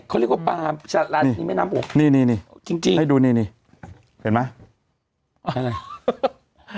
เขาเรียกว่าปลานี่นี่นี่จริงจริงให้ดูนี่นี่เห็นไหม